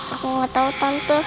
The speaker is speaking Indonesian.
aku gak tau tante